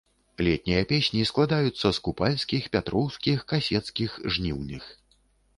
Летнія песні складаюцца з купальскіх, пятроўскіх, касецкіх, жніўных.